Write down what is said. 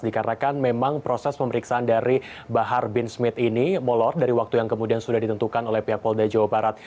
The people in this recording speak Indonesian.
dikarenakan memang proses pemeriksaan dari bahar bin smith ini molor dari waktu yang kemudian sudah ditentukan oleh pihak polda jawa barat